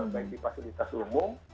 baik di fasilitas umum